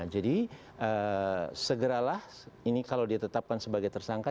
jadi segeralah ini kalau ditetapkan sebagai tersangka